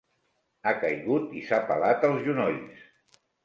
Ha caigut i s'ha pelat els genolls.